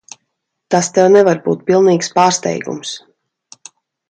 Tas tev nevar būt pilnīgs pārsteigums.